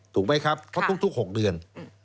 ถูกไหมครับเพราะทุก๖เดือน